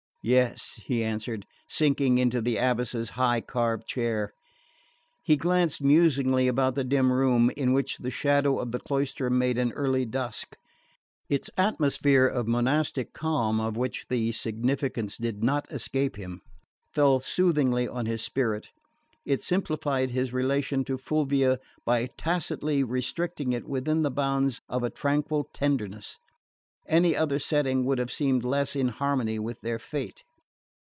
"Yes," he answered, sinking into the Abbess's high carved chair. He glanced musingly about the dim room, in which the shadow of the cloister made an early dusk. Its atmosphere of monastic calm, of which the significance did not escape him, fell soothingly on his spirit. It simplified his relation to Fulvia by tacitly restricting it within the bounds of a tranquil tenderness. Any other setting would have seemed less in harmony with their fate.